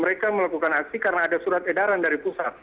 mereka melakukan aksi karena ada surat edaran dari pusat